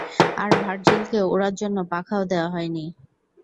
আর, ভার্জিলকে উড়ার জন্য পাখাও দেয়া হয়নি!